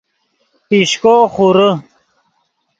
پیشکو خورے